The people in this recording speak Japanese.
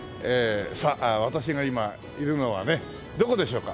さあ私が今いるのはねどこでしょうか？